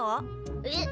えっ？